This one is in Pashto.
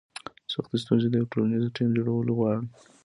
سختې ستونزې د یو ټولنیز ټیم جوړول غواړي.